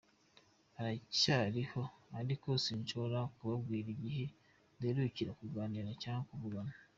Aracyariho ariko sinshobora kubabwira igihe duherukira kuganira cyangwa kuvugana.